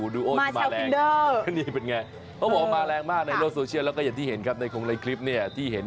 ดูเยอะแยะมากมายแล้วรู้สึกยังไงบ้าง